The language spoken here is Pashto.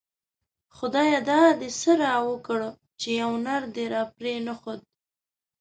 خدايه دا دی څه راوکړه ;چی يو نر دی راپری نه ښود